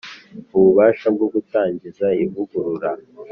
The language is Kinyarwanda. Ububasha bwo gutangiza ivugurura